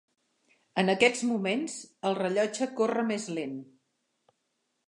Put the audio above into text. En aquests moments, el rellotge corre més lent.